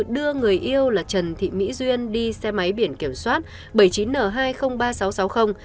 đưa người yêu là trần thị mỹ duyên đi xe máy biển kiểm soát bảy mươi chín n hai mươi ba nghìn sáu trăm sáu mươi